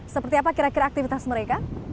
seperti apa kira kira aktivitas mereka